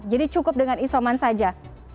jadi cukup dengan isoman saja